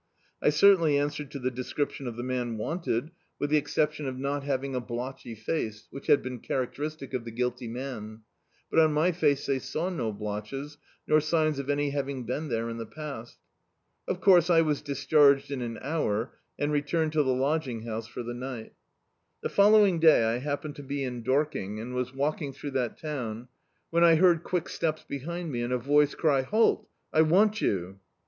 I certwnly answered to the description of the man wanted, with the ex Dictzed by Google On Tramp Again ception of aot having a blotchy face, which had been characteristic of the guilty man. But on my face they saw no blotches, nor signs of any having been there in the past. Of course, I was discharged in an hour, and returned to the lodging house for the ni^L The following day I happened to be in Dorking, and was walking throu^ that town, when I heard quick steps behind me, and a voice cry — "Halt: I want you."